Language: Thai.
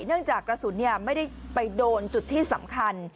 เนื่องจากกระสุนไม่ได้ไปโดนจุดที่สำคัญ